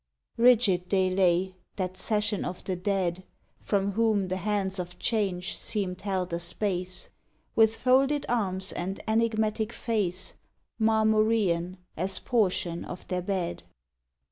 Rigid they lay, that session of the dead, From whom the hands of Change seemed held a space, With folded arms and enigmatic face, Marmorean, as portion of their bed.